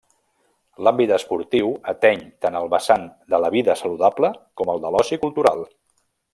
L'àmbit esportiu ateny tant el vessant de la vida saludable com el de l'oci cultural.